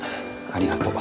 ありがとう。